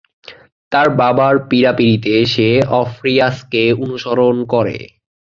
তার বাবার পীড়াপীড়িতে, সে অর্ফিয়াসকে অনুসরণ করে।